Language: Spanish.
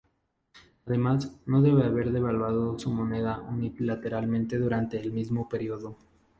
Además, no debe haber devaluado su moneda unilateralmente durante el mismo periodo.